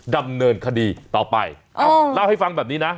ดำเนินคดีต่อไปเอ้าเล่าให้ฟังแบบนี้นะ